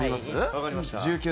わかりました。